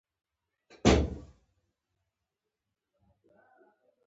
سمندر کې د بیړیو تماشا وي